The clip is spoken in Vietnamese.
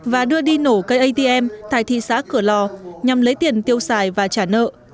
và đưa đi nổ cây atm tại thị xã cửa lò nhằm lấy tiền tiêu xài và trả nợ